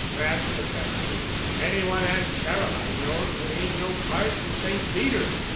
"That's convincing. Any one Aunt Caroline knows will need no card to Saint Peter.